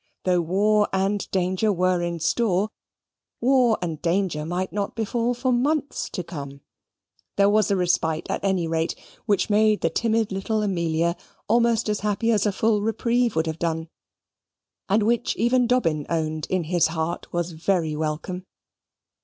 Though war and danger were in store, war and danger might not befall for months to come. There was a respite at any rate, which made the timid little Amelia almost as happy as a full reprieve would have done, and which even Dobbin owned in his heart was very welcome.